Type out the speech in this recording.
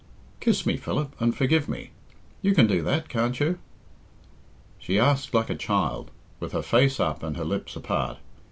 Kiss me, Philip, and forgive me. You can do that, can't you?" She asked like a child, with her face up and her lips apart.